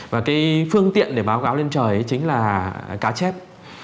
và cái phương tiện để báo cáo lên trời chính là cá chép